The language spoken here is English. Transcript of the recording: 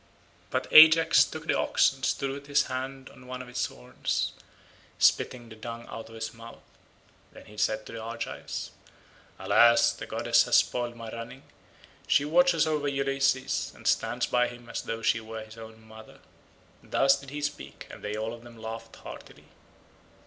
But Ajax took the ox and stood with his hand on one of its horns, spitting the dung out of his mouth. Then he said to the Argives, "Alas, the goddess has spoiled my running; she watches over Ulysses and stands by him as though she were his own mother." Thus did he speak and they all of them laughed heartily.